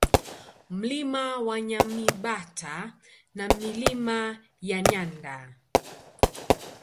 Mlima wa Nyamibata na Milima ya Nyanda